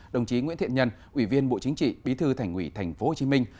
đồng chí nguyễn thiện nhân ủy viên bộ chính trị bí thư thành ủy thành phố hồ chí minh